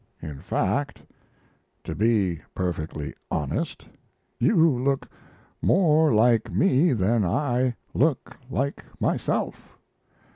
In fact, to be perfectly honest, you look more like me than I look like myself.